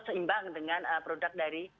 seimbang dengan produk dari